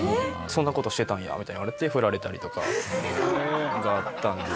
そんな事してたんやみたいに言われてフラれたりとかがあったんで。